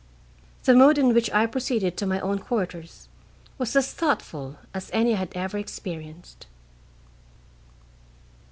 The mood in which I proceeded to my own quarters was as thoughtful as any I had ever experienced.